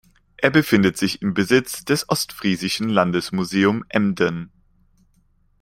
Er befindet sich im Besitz des Ostfriesischen Landesmuseum Emden.